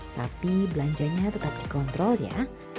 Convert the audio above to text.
tapi belanjanya tetap dikontrol ya